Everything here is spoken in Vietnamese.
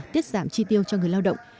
tiết giảm chi tiêu cho người lao động